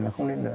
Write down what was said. là không nên nữa